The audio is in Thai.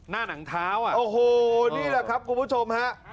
นี่แหละครับคุณผู้ชม